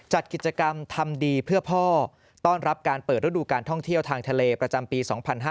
จัดกิจกรรมทำดีเพื่อพ่อต้อนรับการเปิดฤดูการท่องเที่ยวทางทะเลประจำปี๒๕๕๙